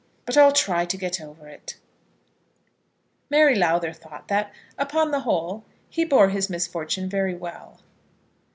But I'll try to get over it." Mary Lowther thought that, upon the whole, he bore his misfortune very well.